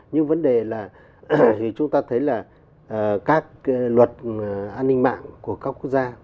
nhưng vấn đề là chúng ta thấy là các luật an ninh mạng của các quốc gia